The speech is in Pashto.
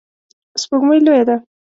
سپوږمۍ لویه ده